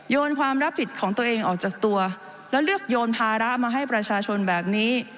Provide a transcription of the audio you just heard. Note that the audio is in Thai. ความรับผิดของตัวเองออกจากตัวแล้วเลือกโยนภาระมาให้ประชาชนแบบนี้